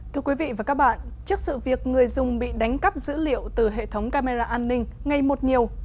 thưa quý vị và các bạn trước sự việc người dùng bị đánh cắp dữ liệu từ hệ thống camera an ninh ngay một nhiều